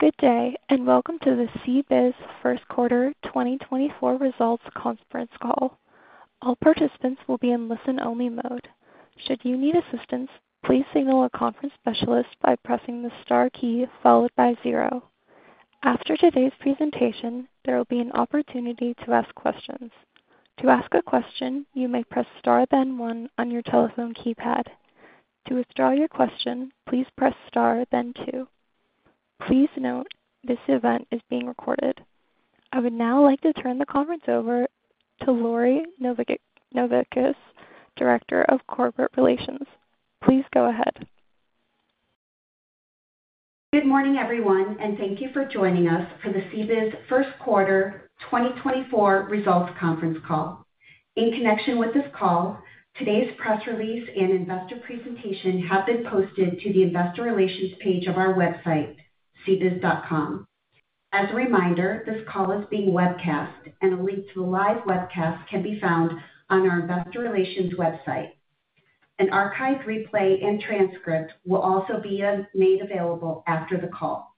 Good day and welcome to the CBIZ first quarter 2024 results conference call. All participants will be in listen-only mode. Should you need assistance, please signal a conference specialist by pressing the star key followed by zero. After today's presentation, there will be an opportunity to ask questions. To ask a question, you may press star then one on your telephone keypad. To withdraw your question, please press star then two. Please note, this event is being recorded. I would now like to turn the conference over to Lori Novickis, Director of Corporate Relations. Please go ahead. Good morning, everyone, and thank you for joining us for the CBIZ first quarter 2024 results conference call. In connection with this call, today's press release and investor presentation have been posted to the Investor Relations page of our website, cbiz.com. As a reminder, this call is being webcast, and a link to the live webcast can be found on our Investor Relations website. An archived replay and transcript will also be made available after the call.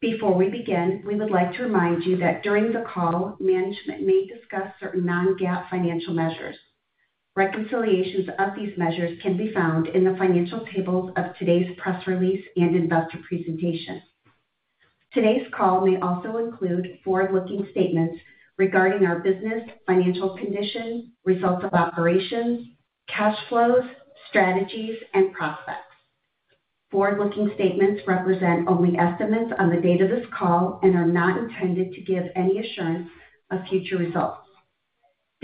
Before we begin, we would like to remind you that during the call, management may discuss certain non-GAAP financial measures. Reconciliations of these measures can be found in the financial tables of today's press release and investor presentation. Today's call may also include forward-looking statements regarding our business, financial condition, results of operations, cash flows, strategies, and prospects. Forward-looking statements represent only estimates on the date of this call and are not intended to give any assurance of future results.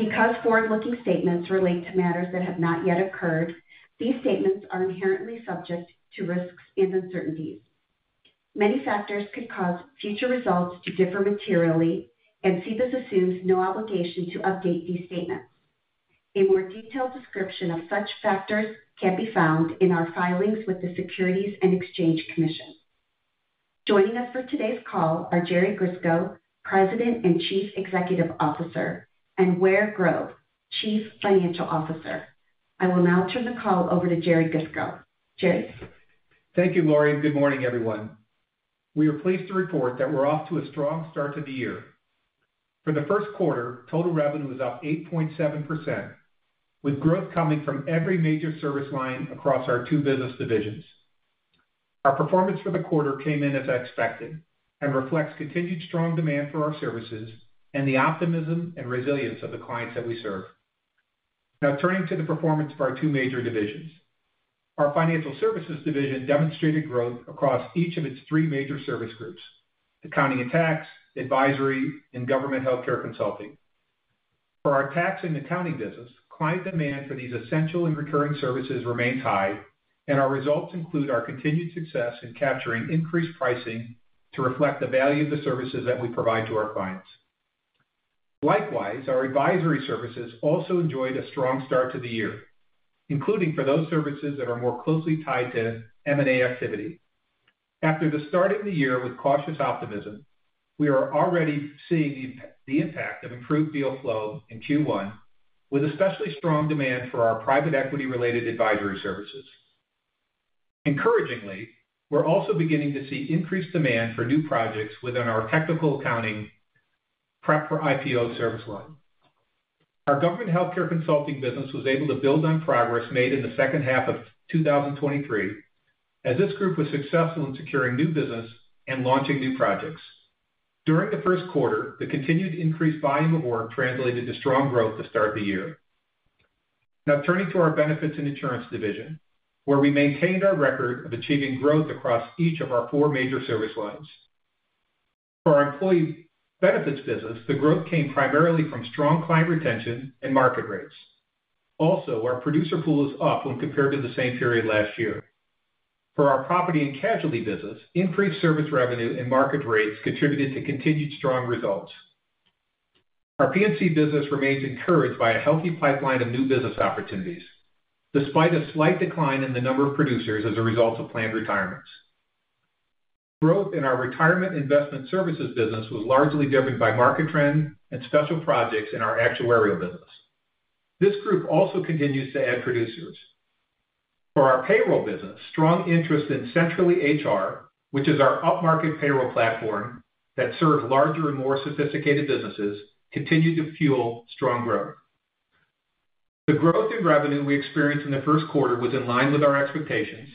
Because forward-looking statements relate to matters that have not yet occurred, these statements are inherently subject to risks and uncertainties. Many factors could cause future results to differ materially, and CBIZ assumes no obligation to update these statements. A more detailed description of such factors can be found in our filings with the Securities and Exchange Commission. Joining us for today's call are Jerry Grisko, President and Chief Executive Officer, and Ware Grove, Chief Financial Officer. I will now turn the call over to Jerry Grisko. Jerry? Thank you, Lori. Good morning, everyone. We are pleased to report that we're off to a strong start to the year. For the first quarter, total revenue is up 8.7%, with growth coming from every major service line across our two business divisions. Our performance for the quarter came in as expected and reflects continued strong demand for our services and the optimism and resilience of the clients that we serve. Now, turning to the performance of our two major divisions. Our Financial Services Division demonstrated growth across each of its three major service groups: accounting and tax, advisory, and government healthcare consulting. For our tax and accounting business, client demand for these essential and recurring services remains high, and our results include our continued success in capturing increased pricing to reflect the value of the services that we provide to our clients. Likewise, our advisory services also enjoyed a strong start to the year, including for those services that are more closely tied to M&A activity. After the start of the year with cautious optimism, we are already seeing the impact of improved deal flow in Q1, with especially strong demand for our private equity-related advisory services. Encouragingly, we're also beginning to see increased demand for new projects within our technical accounting prep-for-IPO service line. Our government healthcare consulting business was able to build on progress made in the second half of 2023, as this group was successful in securing new business and launching new projects. During the first quarter, the continued increased volume of work translated to strong growth to start the year. Now, turning to our Benefits and Insurance Division, where we maintained our record of achieving growth across each of our four major service lines. For our Employee Benefits business, the growth came primarily from strong client retention and market rates. Also, our producer pool is up when compared to the same period last year. For our Property and Casualty business, increased service revenue and market rates contributed to continued strong results. Our P&C business remains encouraged by a healthy pipeline of new business opportunities, despite a slight decline in the number of producers as a result of planned retirements. Growth in our Retirement Investment Services business was largely driven by market trend and special projects in our actuarial business. This group also continues to add producers. For our Payroll business, strong interest in CentrallyHR, which is our upmarket payroll platform that serves larger and more sophisticated businesses, continued to fuel strong growth. The growth in revenue we experienced in the first quarter was in line with our expectations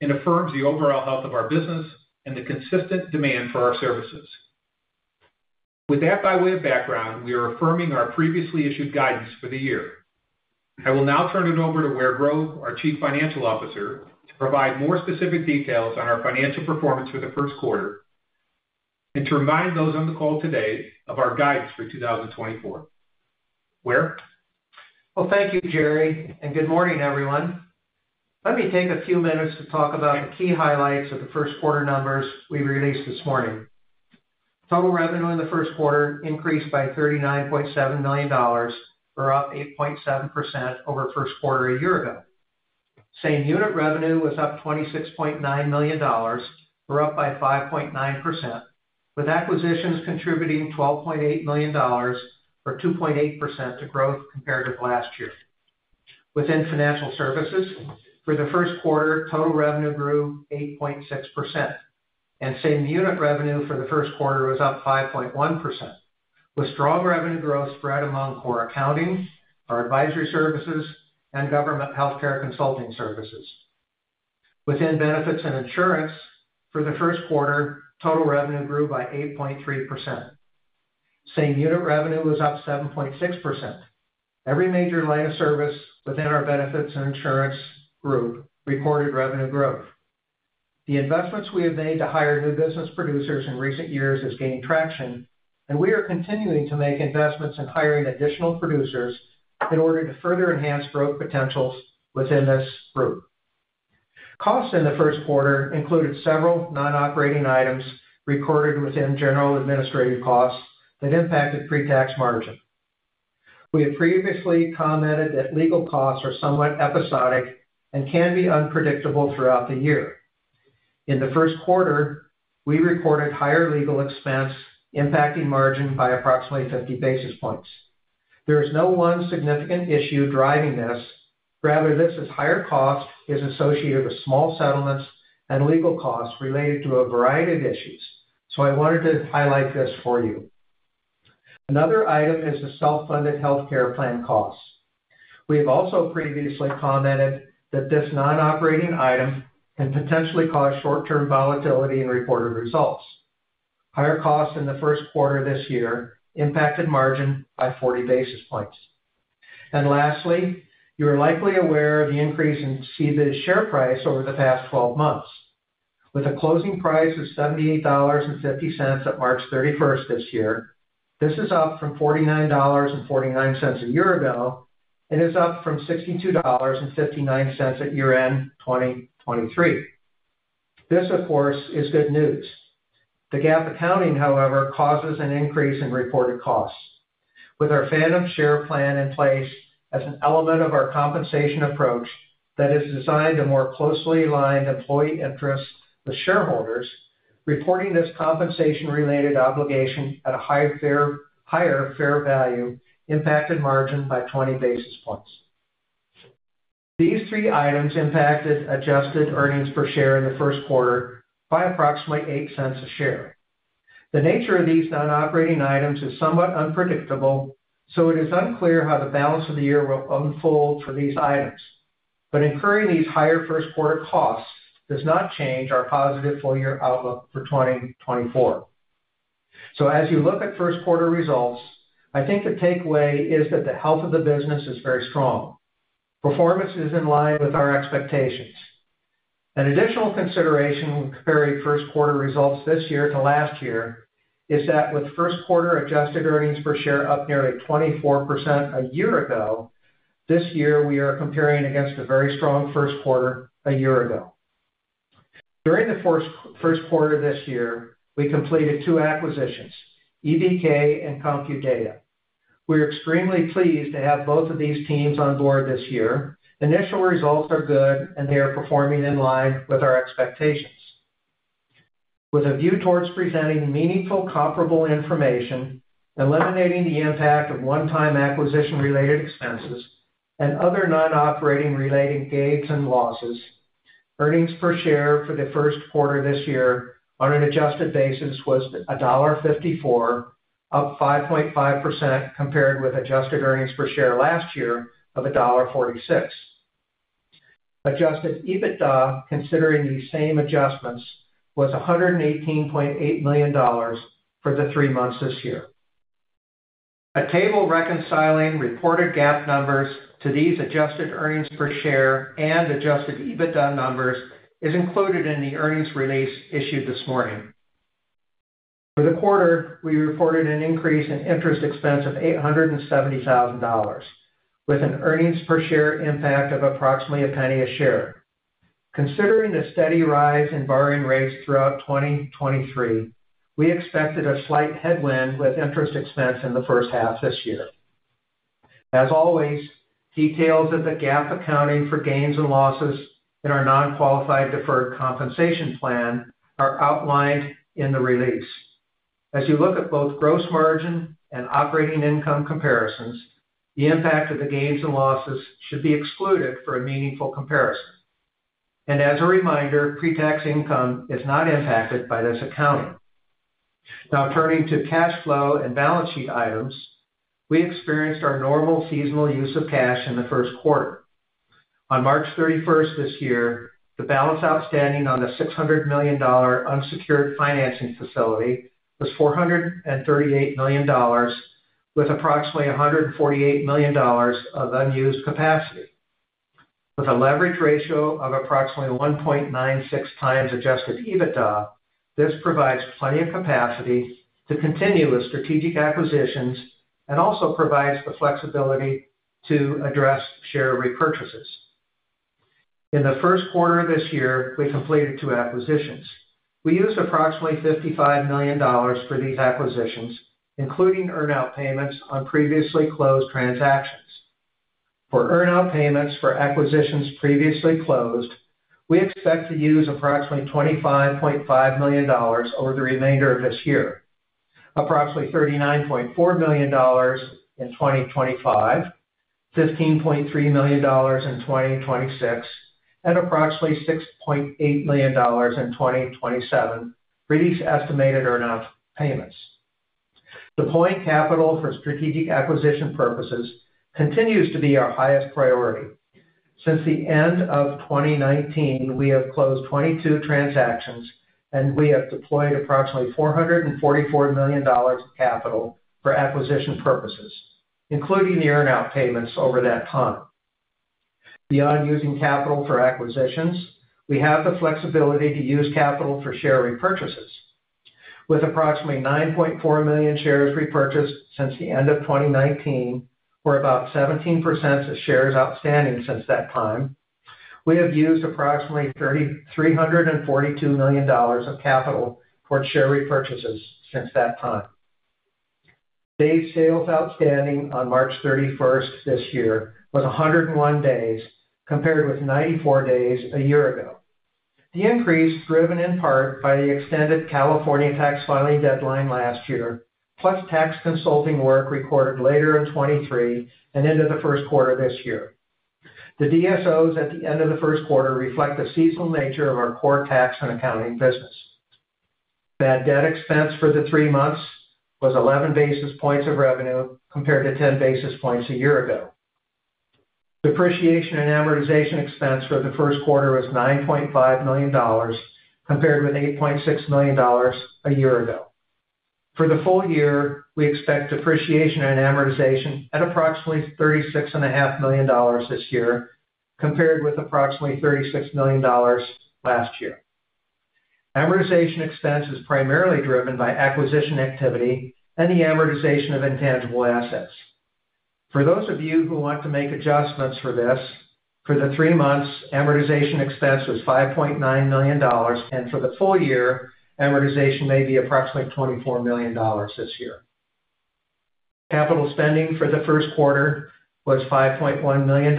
and affirms the overall health of our business and the consistent demand for our services. With that by way of background, we are affirming our previously issued guidance for the year. I will now turn it over to Ware Grove, our Chief Financial Officer, to provide more specific details on our financial performance for the first quarter and to remind those on the call today of our guidance for 2024. Ware? Well, thank you, Jerry, and good morning, everyone. Let me take a few minutes to talk about the key highlights of the first quarter numbers we released this morning. Total revenue in the first quarter increased by $39.7 million, or up 8.7% over first quarter a year ago. Same unit revenue was up $26.9 million, or up by 5.9%, with acquisitions contributing $12.8 million, or 2.8%, to growth compared with last year. Within Financial Services, for the first quarter, total revenue grew 8.6%, and same unit revenue for the first quarter was up 5.1%, with strong revenue growth spread among core accounting, our advisory services, and government healthcare consulting services. Within Benefits and Insurance, for the first quarter, total revenue grew by 8.3%. Same unit revenue was up 7.6%. Every major line of service within our Benefits and Insurance group recorded revenue growth. The investments we have made to hire new business producers in recent years have gained traction, and we are continuing to make investments in hiring additional producers in order to further enhance growth potentials within this group. Costs in the first quarter included several non-operating items recorded within general administrative costs that impacted pre-tax margin. We have previously commented that legal costs are somewhat episodic and can be unpredictable throughout the year. In the first quarter, we recorded higher legal expense impacting margin by approximately 50 basis points. There is no one significant issue driving this. Rather, this higher cost is associated with small settlements and legal costs related to a variety of issues, so I wanted to highlight this for you. Another item is the self-funded healthcare plan costs. We have also previously commented that this non-operating item can potentially cause short-term volatility in reported results. Higher costs in the first quarter this year impacted margin by 40 basis points. Lastly, you are likely aware of the increase in CBIZ share price over the past 12 months. With a closing price of $78.50 at March 31st this year, this is up from $49.49 a year ago and is up from $62.59 at year-end 2023. This, of course, is good news. The GAAP accounting, however, causes an increase in reported costs. With our Phantom Share Plan in place as an element of our compensation approach that is designed to more closely align employee interests with shareholders, reporting this compensation-related obligation at a higher fair value impacted margin by 20 basis points. These three items impacted adjusted earnings per share in the first quarter by approximately $0.08 a share. The nature of these non-operating items is somewhat unpredictable, so it is unclear how the balance of the year will unfold for these items, but incurring these higher first-quarter costs does not change our positive full-year outlook for 2024. So as you look at first-quarter results, I think the takeaway is that the health of the business is very strong. Performance is in line with our expectations. An additional consideration when comparing first-quarter results this year to last year is that with first-quarter adjusted earnings per share up nearly 24% a year ago, this year we are comparing against a very strong first quarter a year ago. During the first quarter this year, we completed two acquisitions: EBK and CompuData. We are extremely pleased to have both of these teams on board this year. Initial results are good, and they are performing in line with our expectations. With a view towards presenting meaningful comparable information, eliminating the impact of one-time acquisition-related expenses, and other non-operating-related gains and losses, earnings per share for the first quarter this year on an adjusted basis was $1.54, up 5.5% compared with adjusted earnings per share last year of $1.46. Adjusted EBITDA, considering these same adjustments, was $118.8 million for the three months this year. A table reconciling reported GAAP numbers to these adjusted earnings per share and adjusted EBITDA numbers is included in the earnings release issued this morning. For the quarter, we reported an increase in interest expense of $870,000, with an earnings per share impact of approximately $0.01 a share. Considering the steady rise in borrowing rates throughout 2023, we expected a slight headwind with interest expense in the first half this year. As always, details of the GAAP accounting for gains and losses in our Non-Qualified Deferred Compensation Plan are outlined in the release. As you look at both gross margin and operating income comparisons, the impact of the gains and losses should be excluded for a meaningful comparison. As a reminder, pre-tax income is not impacted by this accounting. Now, turning to cash flow and balance sheet items, we experienced our normal seasonal use of cash in the first quarter. On March 31st this year, the balance outstanding on the $600 million unsecured financing facility was $438 million, with approximately $148 million of unused capacity. With a leverage ratio of approximately 1.96x Adjusted EBITDA, this provides plenty of capacity to continue with strategic acquisitions and also provides the flexibility to address share repurchases. In the first quarter of this year, we completed two acquisitions. We used approximately $55 million for these acquisitions, including earnout payments on previously closed transactions. For earnout payments for acquisitions previously closed, we expect to use approximately $25.5 million over the remainder of this year: approximately $39.4 million in 2025, $15.3 million in 2026, and approximately $6.8 million in 2027, remaining estimated earnout payments. The point is, capital for strategic acquisition purposes continues to be our highest priority. Since the end of 2019, we have closed 22 transactions, and we have deployed approximately $444 million of capital for acquisition purposes, including the earnout payments over that time. Beyond using capital for acquisitions, we have the flexibility to use capital for share repurchases. With approximately 9.4 million shares repurchased since the end of 2019, or about 17% of shares outstanding since that time, we have used approximately $342 million of capital towards share repurchases since that time. Days Sales Outstanding on March 31st this year was 101 days compared with 94 days a year ago. The increase is driven in part by the extended California tax filing deadline last year, plus tax consulting work recorded later in 2023 and into the first quarter this year. The DSOs at the end of the first quarter reflect the seasonal nature of our core tax and accounting business. Bad debt expense for the three months was 11 basis points of revenue compared to 10 basis points a year ago. Depreciation and amortization expense for the first quarter was $9.5 million compared with $8.6 million a year ago. For the full year, we expect depreciation and amortization at approximately $36.5 million this year compared with approximately $36 million last year. Amortization expense is primarily driven by acquisition activity and the amortization of intangible assets. For those of you who want to make adjustments for this, for the three months, amortization expense was $5.9 million, and for the full year, amortization may be approximately $24 million this year. Capital spending for the first quarter was $5.1 million,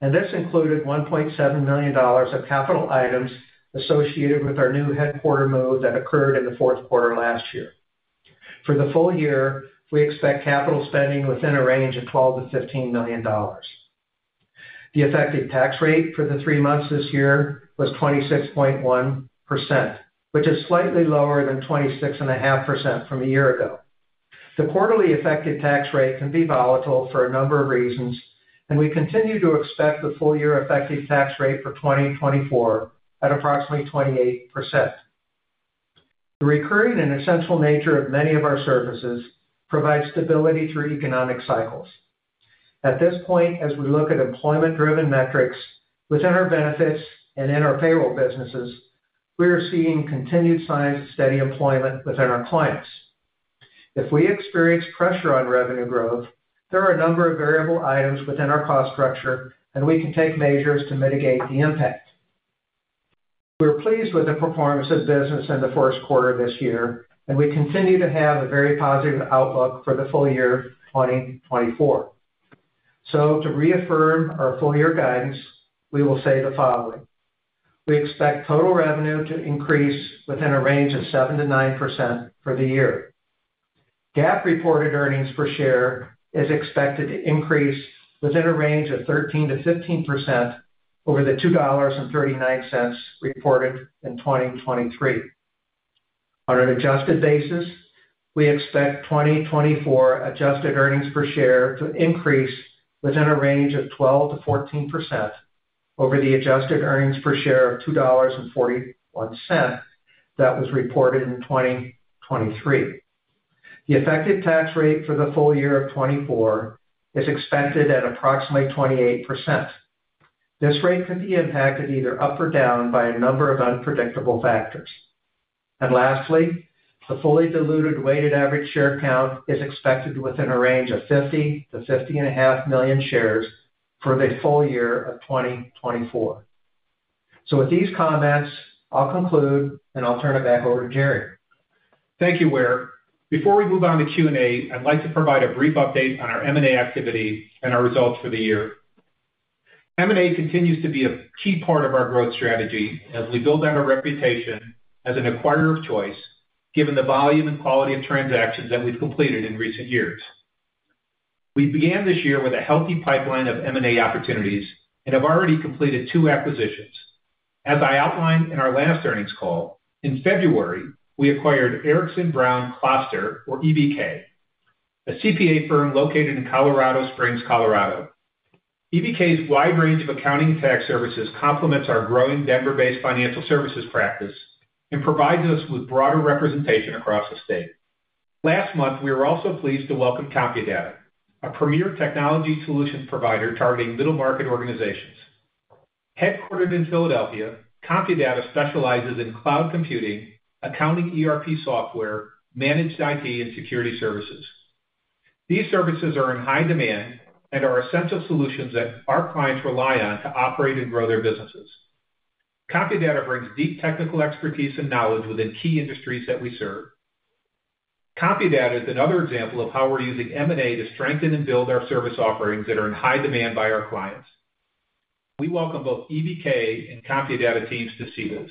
and this included $1.7 million of capital items associated with our new headquarter move that occurred in the fourth quarter last year. For the full year, we expect capital spending within a range of $12 million-$15 million. The effective tax rate for the three months this year was 26.1%, which is slightly lower than 26.5% from a year ago. The quarterly effective tax rate can be volatile for a number of reasons, and we continue to expect the full-year effective tax rate for 2024 at approximately 28%. The recurring and essential nature of many of our services provides stability through economic cycles. At this point, as we look at employment-driven metrics within our benefits and in our payroll businesses, we are seeing continued signs of steady employment within our clients. If we experience pressure on revenue growth, there are a number of variable items within our cost structure, and we can take measures to mitigate the impact. We are pleased with the performance of business in the first quarter this year, and we continue to have a very positive outlook for the full year 2024. So to reaffirm our full-year guidance, we will say the following: we expect total revenue to increase within a range of 7%-9% for the year. GAAP reported earnings per share is expected to increase within a range of 13%-15% over the $2.39 reported in 2023. On an adjusted basis, we expect 2024 adjusted earnings per share to increase within a range of 12%-14% over the adjusted earnings per share of $2.41 that was reported in 2023. The effective tax rate for the full year of 2024 is expected at approximately 28%. This rate could be impacted either up or down by a number of unpredictable factors. And lastly, the fully diluted weighted average share count is expected within a range of 50-50.5 million shares for the full year of 2024. So with these comments, I'll conclude, and I'll turn it back over to Jerry. Thank you, Ware. Before we move on to Q&A, I'd like to provide a brief update on our M&A activity and our results for the year. M&A continues to be a key part of our growth strategy as we build out our reputation as an acquirer of choice given the volume and quality of transactions that we've completed in recent years. We began this year with a healthy pipeline of M&A opportunities and have already completed two acquisitions. As I outlined in our last earnings call, in February, we acquired Erickson, Brown & Kloster, or EBK, a CPA firm located in Colorado Springs, Colorado. EBK's wide range of accounting and tax services complements our growing Denver-based financial services practice and provides us with broader representation across the state. Last month, we were also pleased to welcome CompuData, a premier technology solution provider targeting middle-market organizations. Headquartered in Philadelphia, CompuData specializes in cloud computing, accounting ERP software, managed IT, and security services. These services are in high demand and are essential solutions that our clients rely on to operate and grow their businesses. CompuData brings deep technical expertise and knowledge within key industries that we serve. CompuData is another example of how we're using M&A to strengthen and build our service offerings that are in high demand by our clients. We welcome both EBK and CompuData teams to CBIZ.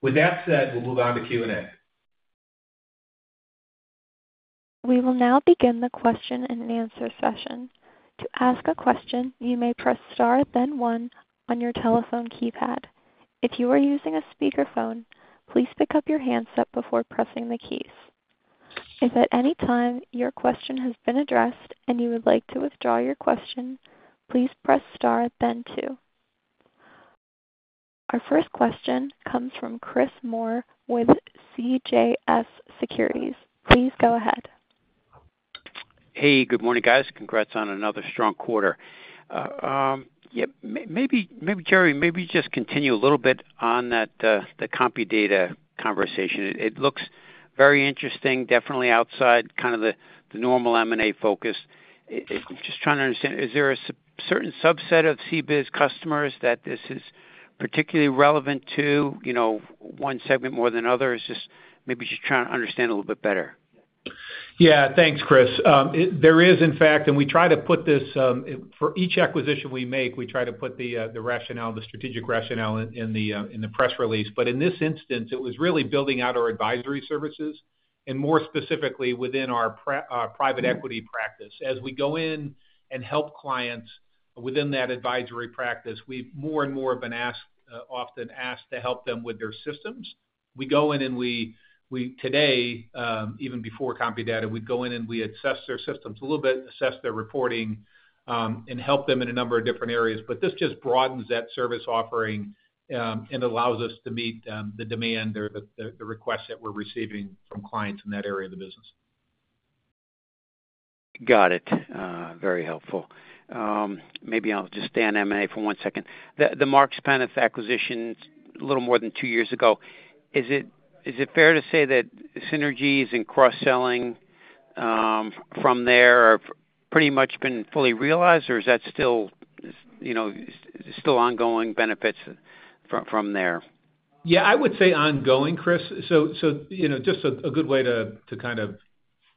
With that said, we'll move on to Q&A. We will now begin the question-and-answer session. To ask a question, you may press star, then one, on your telephone keypad. If you are using a speakerphone, please pick up your handset before pressing the keys. If at any time your question has been addressed and you would like to withdraw your question, please press star, then two. Our first question comes from Chris Moore with CJS Securities. Please go ahead. Hey, good morning, guys. Congrats on another strong quarter. Yeah, maybe, Jerry, maybe just continue a little bit on the CompuData conversation. It looks very interesting, definitely outside kind of the normal M&A focus. Just trying to understand, is there a certain subset of CBIZ customers that this is particularly relevant to, one segment more than others? Just maybe just trying to understand a little bit better. Yeah, thanks, Chris. There is, in fact, and we try to put this for each acquisition we make, we try to put the rationale, the strategic rationale, in the press release. But in this instance, it was really building out our advisory services and more specifically within our private equity practice. As we go in and help clients within that advisory practice, we've more and more often asked to help them with their systems. We go in and we today, even before CompuData, we'd go in and we assess their systems a little bit, assess their reporting, and help them in a number of different areas. But this just broadens that service offering and allows us to meet the demand or the requests that we're receiving from clients in that area of the business. Got it. Very helpful. Maybe I'll just stay on M&A for one second. The Marks Paneth acquisition a little more than two years ago, is it fair to say that synergies and cross-selling from there have pretty much been fully realized, or is that still ongoing benefits from there? Yeah, I would say ongoing, Chris. So just a good way to kind of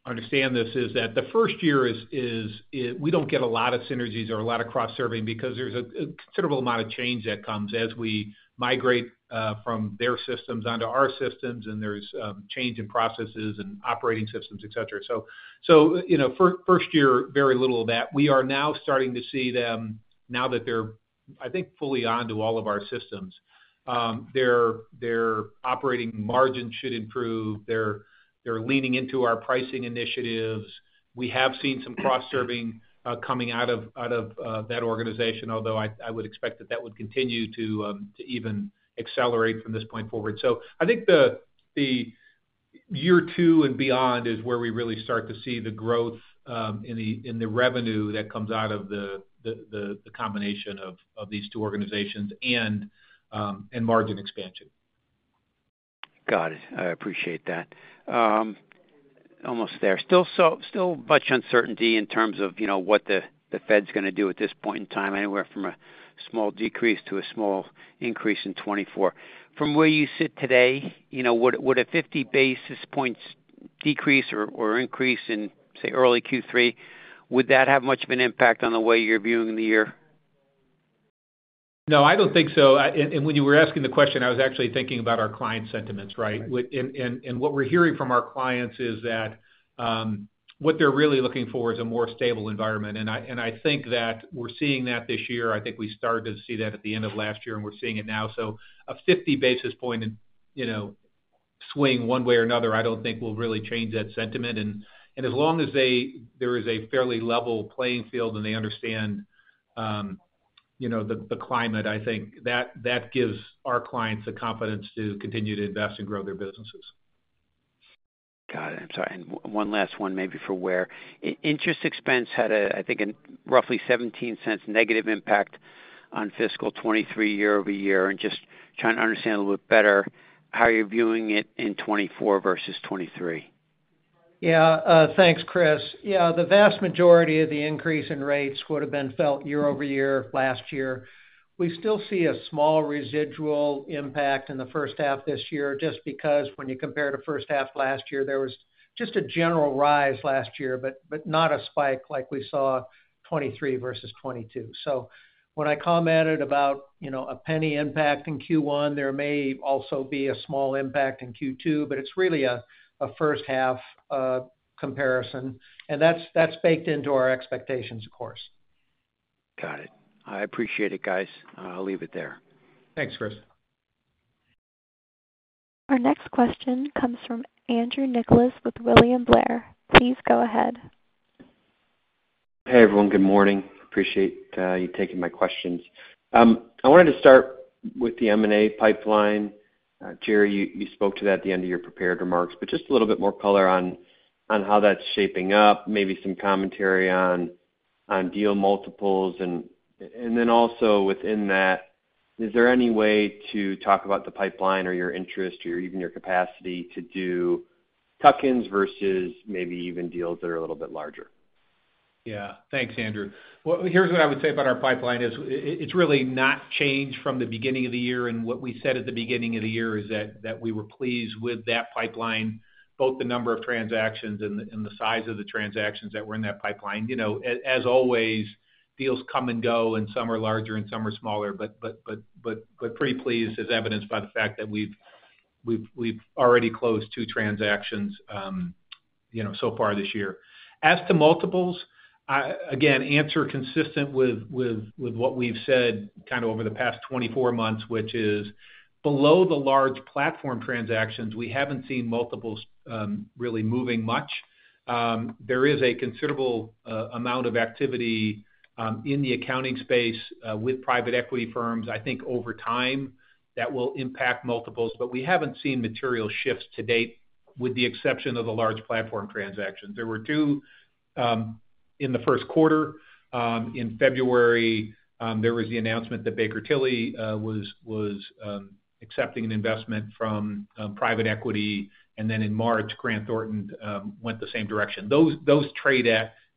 understand this is that the first year is we don't get a lot of synergies or a lot of cross-serving because there's a considerable amount of change that comes as we migrate from their systems onto our systems, and there's change in processes and operating systems, etc. So first year, very little of that. We are now starting to see them now that they're, I think, fully onto all of our systems. Their operating margin should improve. They're leaning into our pricing initiatives. We have seen some cross-serving coming out of that organization, although I would expect that that would continue to even accelerate from this point forward. I think the year two and beyond is where we really start to see the growth in the revenue that comes out of the combination of these two organizations and margin expansion. Got it. I appreciate that. Almost there. Still a bunch of uncertainty in terms of what the Fed's going to do at this point in time, anywhere from a small decrease to a small increase in 2024. From where you sit today, would a 50 basis points decrease or increase in, say, early Q3, would that have much of an impact on the way you're viewing the year? No, I don't think so. And when you were asking the question, I was actually thinking about our client sentiments, right? And what we're hearing from our clients is that what they're really looking for is a more stable environment. And I think that we're seeing that this year. I think we started to see that at the end of last year, and we're seeing it now. So a 50 basis point swing one way or another, I don't think will really change that sentiment. And as long as there is a fairly level playing field and they understand the climate, I think that gives our clients the confidence to continue to invest and grow their businesses. Got it. I'm sorry. And one last one, maybe for Ware. Interest expense had, I think, a roughly $0.17 negative impact on fiscal 2023 year-over-year. And just trying to understand a little bit better, how are you viewing it in 2024 versus 2023? Yeah, thanks, Chris. Yeah, the vast majority of the increase in rates would have been felt year over year last year. We still see a small residual impact in the first half this year just because when you compare to first half last year, there was just a general rise last year, but not a spike like we saw 2023 versus 2022. So when I commented about a penny impact in Q1, there may also be a small impact in Q2, but it's really a first-half comparison. That's baked into our expectations, of course. Got it. I appreciate it, guys. I'll leave it there. Thanks, Chris. Our next question comes from Andrew Nicholas with William Blair. Please go ahead. Hey, everyone. Good morning. Appreciate you taking my questions. I wanted to start with the M&A pipeline. Jerry, you spoke to that at the end of your prepared remarks, but just a little bit more color on how that's shaping up, maybe some commentary on deal multiples. And then also within that, is there any way to talk about the pipeline or your interest or even your capacity to do tuck-ins versus maybe even deals that are a little bit larger? Yeah. Thanks, Andrew. Here's what I would say about our pipeline is it's really not changed from the beginning of the year. And what we said at the beginning of the year is that we were pleased with that pipeline, both the number of transactions and the size of the transactions that were in that pipeline. As always, deals come and go, and some are larger and some are smaller, but pretty pleased as evidenced by the fact that we've already closed two transactions so far this year. As to multiples, again, answer consistent with what we've said kind of over the past 24 months, which is below the large platform transactions, we haven't seen multiples really moving much. There is a considerable amount of activity in the accounting space with private equity firms, I think, over time that will impact multiples, but we haven't seen material shifts to date with the exception of the large platform transactions. There were two in the first quarter. In February, there was the announcement that Baker Tilly was accepting an investment from private equity, and then in March, Grant Thornton went the same direction. Those trade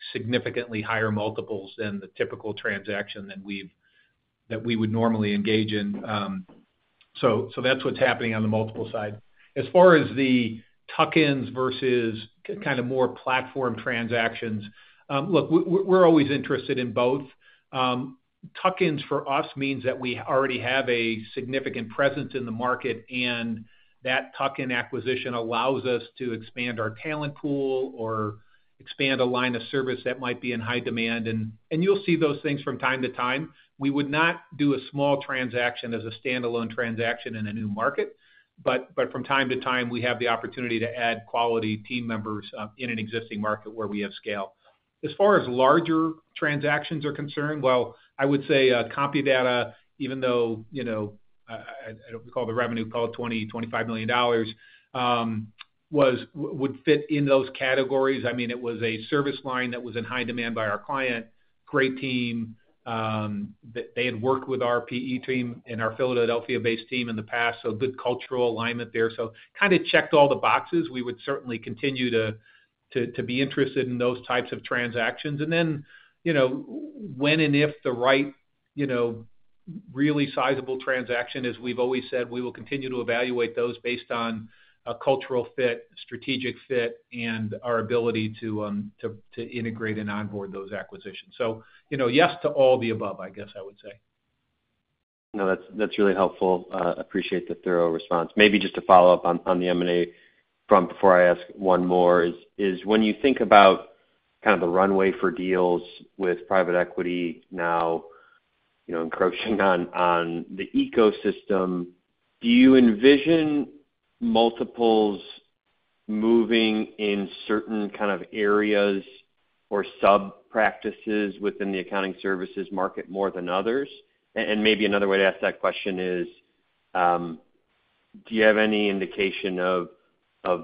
at significantly higher multiples than the typical transaction that we would normally engage in. So that's what's happening on the multiple side. As far as the tuck-ins versus kind of more platform transactions, look, we're always interested in both. Tuck-ins for us means that we already have a significant presence in the market, and that tuck-in acquisition allows us to expand our talent pool or expand a line of service that might be in high demand. And you'll see those things from time to time. We would not do a small transaction as a standalone transaction in a new market, but from time to time, we have the opportunity to add quality team members in an existing market where we have scale. As far as larger transactions are concerned, well, I would say CompuData, even though I don't recall the revenue, call it $20 million-$25 million, would fit in those categories. I mean, it was a service line that was in high demand by our client, great team. They had worked with our PE team and our Philadelphia-based team in the past, so good cultural alignment there. So kind of checked all the boxes. We would certainly continue to be interested in those types of transactions. And then when and if the right really sizable transaction is, we've always said we will continue to evaluate those based on a cultural fit, strategic fit, and our ability to integrate and onboard those acquisitions. So yes to all the above, I guess I would say. No, that's really helpful. Appreciate the thorough response. Maybe just to follow up on the M&A from before I ask one more, is when you think about kind of the runway for deals with private equity now encroaching on the ecosystem, do you envision multiples moving in certain kind of areas or sub-practices within the accounting services market more than others? And maybe another way to ask that question is, do you have any indication of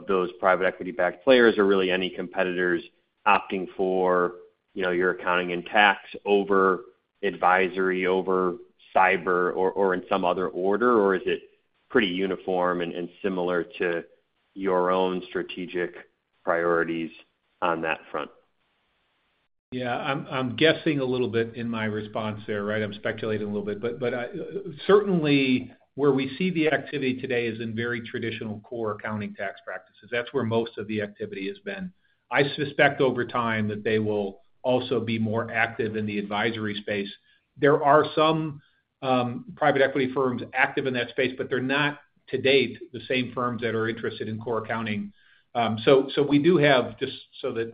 those private equity-backed players or really any competitors opting for your accounting and tax over advisory, over cyber, or in some other order, or is it pretty uniform and similar to your own strategic priorities on that front? Yeah, I'm guessing a little bit in my response there, right? I'm speculating a little bit. But certainly, where we see the activity today is in very traditional core accounting tax practices. That's where most of the activity has been. I suspect over time that they will also be more active in the advisory space. There are some private equity firms active in that space, but they're not to date the same firms that are interested in core accounting. So we do have just so that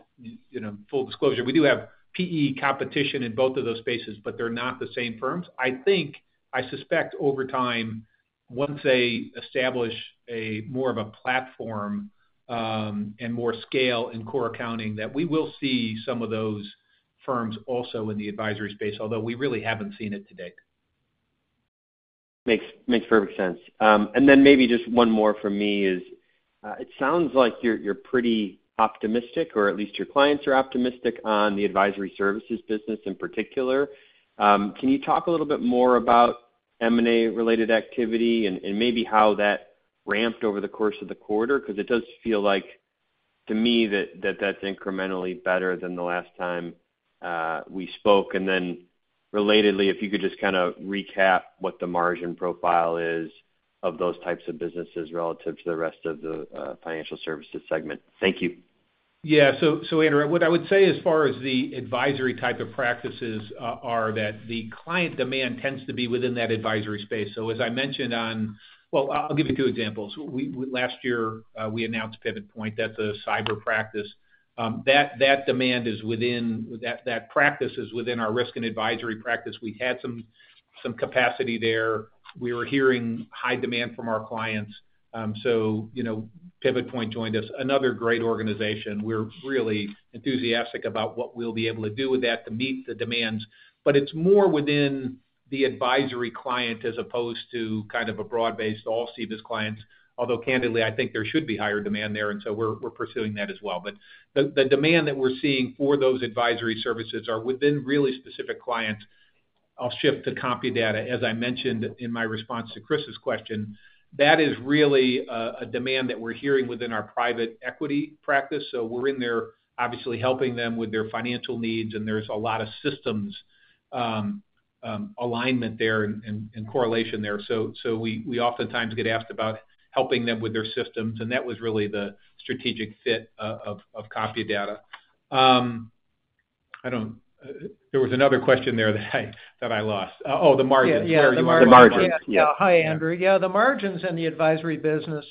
full disclosure, we do have PE competition in both of those spaces, but they're not the same firms. I suspect over time, once they establish more of a platform and more scale in core accounting, that we will see some of those firms also in the advisory space, although we really haven't seen it to date. Makes perfect sense. And then maybe just one more from me is, it sounds like you're pretty optimistic, or at least your clients are optimistic on the advisory services business in particular. Can you talk a little bit more about M&A-related activity and maybe how that ramped over the course of the quarter? Because it does feel like to me that that's incrementally better than the last time we spoke. And then relatedly, if you could just kind of recap what the margin profile is of those types of businesses relative to the rest of the financial services segment. Thank you. Yeah. So, Andrew, what I would say as far as the advisory type of practices are that the client demand tends to be within that advisory space. So as I mentioned, well, I'll give you two examples. Last year, we announced Pivot Point. That's a cyber practice. That demand is within that practice is within our risk and advisory practice. We've had some capacity there. We were hearing high demand from our clients. So Pivot Point joined us. Another great organization. We're really enthusiastic about what we'll be able to do with that to meet the demands. But it's more within the advisory client as opposed to kind of a broad-based all CBIZ clients, although candidly, I think there should be higher demand there, and so we're pursuing that as well. But the demand that we're seeing for those advisory services are within really specific clients. I'll shift to CompuData. As I mentioned in my response to Chris's question, that is really a demand that we're hearing within our private equity practice. So we're in there, obviously, helping them with their financial needs, and there's a lot of systems alignment there and correlation there. So we oftentimes get asked about helping them with their systems, and that was really the strategic fit of CompuData. There was another question there that I lost. Oh, the margins. Where are you on? Yeah, yeah. The margins. Yeah. Hi, Andrew. Yeah, the margins in the advisory business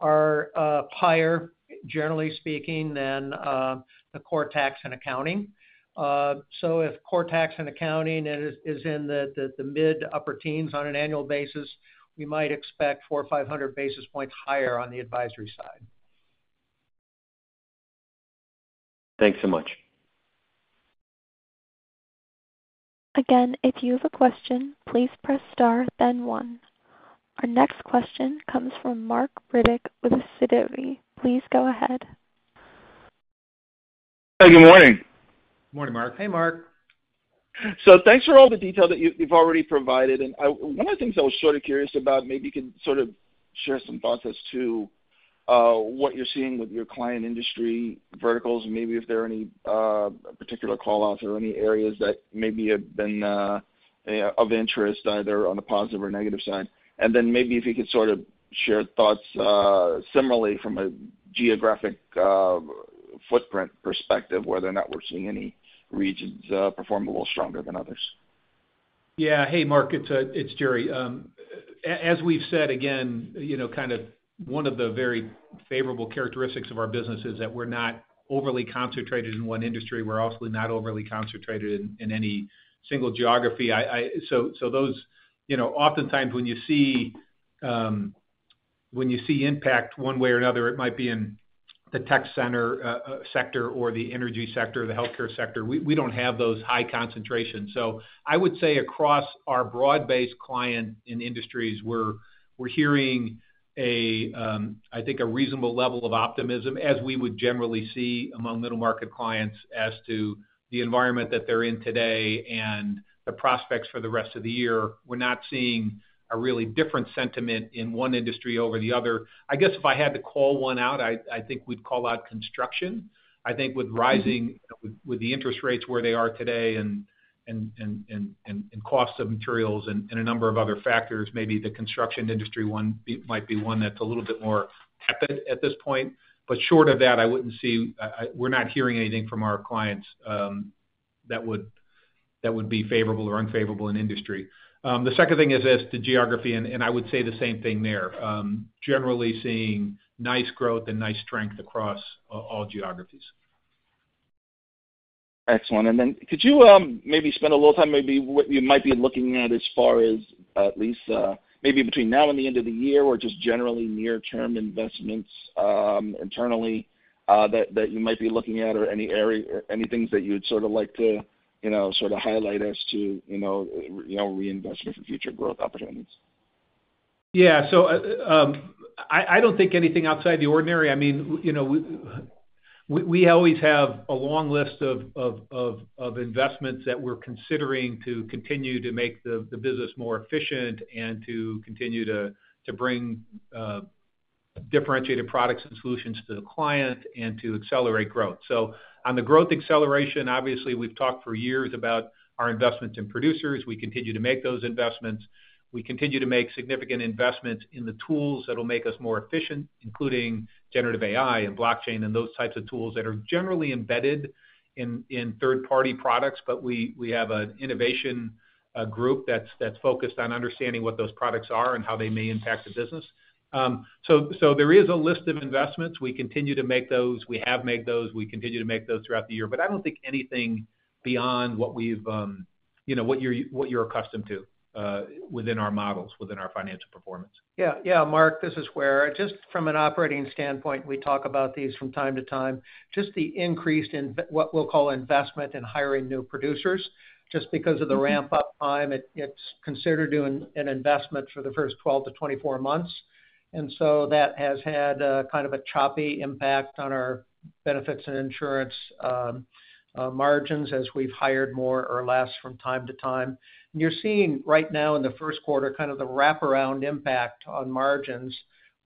are higher, generally speaking, than the core tax and accounting. So if core tax and accounting is in the mid-upper teens on an annual basis, we might expect 400-500 basis points higher on the advisory side. Thanks so much. Again, if you have a question, please press star, then one. Our next question comes from Marc Riddick with Sidoti. Please go ahead. Good morning. Morning, Marc. Hey, Marc. So thanks for all the detail that you've already provided. And one of the things I was sort of curious about, maybe you could sort of share some thoughts as to what you're seeing with your client industry verticals and maybe if there are any particular callouts or any areas that maybe have been of interest either on the positive or negative side. And then maybe if you could sort of share thoughts similarly from a geographic footprint perspective, whether or not we're seeing any regions perform a little stronger than others. Yeah. Hey, Marc. It's Jerry. As we've said, again, kind of one of the very favorable characteristics of our business is that we're not overly concentrated in one industry. We're also not overly concentrated in any single geography. So oftentimes, when you see impact one way or another, it might be in the tech sector or the energy sector, the healthcare sector. We don't have those high concentrations. So I would say across our broad-based client and industries, we're hearing, I think, a reasonable level of optimism as we would generally see among middle-market clients as to the environment that they're in today and the prospects for the rest of the year. We're not seeing a really different sentiment in one industry over the other. I guess if I had to call one out, I think we'd call out construction. I think with rising interest rates where they are today and costs of materials and a number of other factors, maybe the construction industry might be one that's a little bit more tepid at this point. But short of that, I wouldn't say we're not hearing anything from our clients that would be favorable or unfavorable in industry. The second thing is as to geography, and I would say the same thing there, generally seeing nice growth and nice strength across all geographies. Excellent. And then could you maybe spend a little time maybe what you might be looking at as far as at least maybe between now and the end of the year or just generally near-term investments internally that you might be looking at or any things that you'd sort of like to sort of highlight as to reinvestment for future growth opportunities? Yeah. So I don't think anything outside the ordinary. I mean, we always have a long list of investments that we're considering to continue to make the business more efficient and to continue to bring differentiated products and solutions to the client and to accelerate growth. So on the growth acceleration, obviously, we've talked for years about our investments in producers. We continue to make those investments. We continue to make significant investments in the tools that will make us more efficient, including generative AI and blockchain and those types of tools that are generally embedded in third-party products. But we have an innovation group that's focused on understanding what those products are and how they may impact the business. So there is a list of investments. We continue to make those. We have made those. We continue to make those throughout the year. But I don't think anything beyond what you're accustomed to within our models, within our financial performance. Yeah. Yeah, MarC, this is Ware just from an operating standpoint, we talk about these from time to time, just the increase in what we'll call investment in hiring new producers. Just because of the ramp-up time, it's considered doing an investment for the first 12-24 months. And so that has had kind of a choppy impact on our benefits and insurance margins as we've hired more or less from time to time. And you're seeing right now in the first quarter kind of the wraparound impact on margins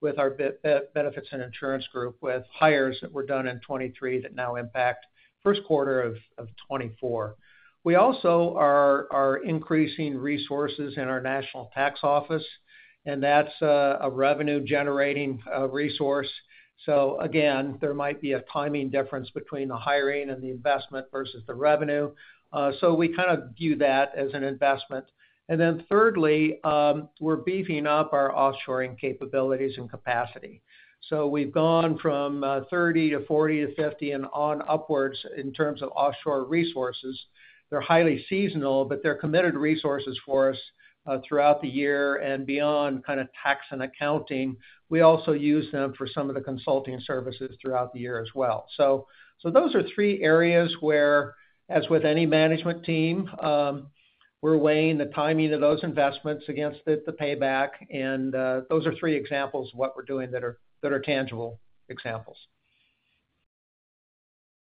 with our benefits and insurance group with hires that were done in 2023 that now impact first quarter of 2024. We also are increasing resources in our national tax office, and that's a revenue-generating resource. So again, there might be a timing difference between the hiring and the investment versus the revenue. So we kind of view that as an investment. And then thirdly, we're beefing up our offshoring capabilities and capacity. So we've gone from 30 to 40 to 50 and on upwards in terms of offshore resources. They're highly seasonal, but they're committed resources for us throughout the year and beyond kind of tax and accounting. We also use them for some of the consulting services throughout the year as well. So those are three areas where, as with any management team, we're weighing the timing of those investments against the payback. And those are three examples of what we're doing that are tangible examples.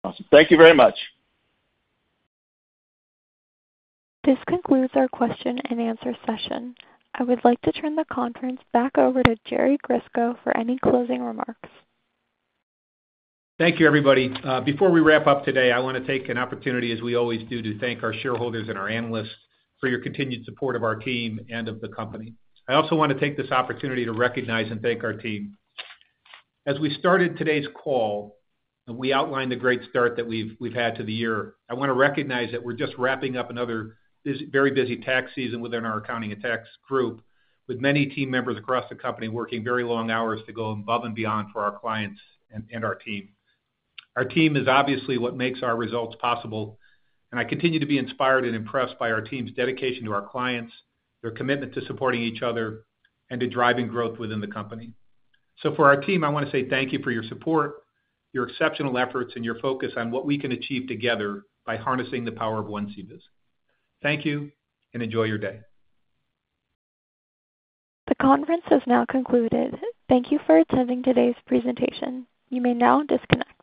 Awesome. Thank you very much. This concludes our question-and-answer session. I would like to turn the conference back over to Jerry Grisko for any closing remarks. Thank you, everybody. Before we wrap up today, I want to take an opportunity, as we always do, to thank our shareholders and our analysts for your continued support of our team and of the company. I also want to take this opportunity to recognize and thank our team. As we started today's call and we outlined the great start that we've had to the year, I want to recognize that we're just wrapping up another very busy tax season within our accounting and tax group with many team members across the company working very long hours to go above and beyond for our clients and our team. Our team is obviously what makes our results possible. I continue to be inspired and impressed by our team's dedication to our clients, their commitment to supporting each other, and to driving growth within the company. For our team, I want to say thank you for your support, your exceptional efforts, and your focus on what we can achieve together by harnessing the power of one CBIZ. Thank you, and enjoy your day. The conference has now concluded. Thank you for attending today's presentation. You may now disconnect.